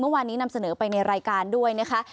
เมื่อวานนี้นำเสนอไปในรายการด้วยนะคะ